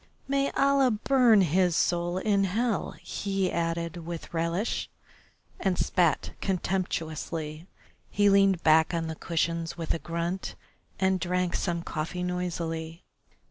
May Allah burn his soul in hell!" he added with relish, and spat contemptuously. He leaned back on the cushions with a grunt, and drank some coffee noisily.